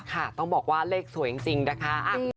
ต้องบอกว่าเลขสวยจริงนะคะ